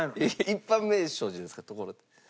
一般名称じゃないですかところてん。